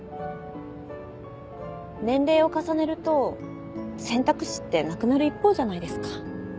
年齢を重ねると選択肢ってなくなる一方じゃないですか。